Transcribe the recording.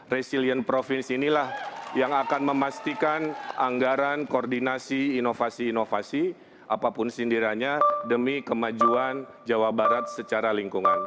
resilient provinsi inilah yang akan memastikan anggaran koordinasi inovasi inovasi apapun sindirannya demi kemajuan jawa barat secara lingkungan